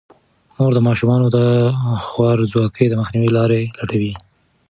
مور د ماشومانو د خوارځواکۍ د مخنیوي لارې لټوي.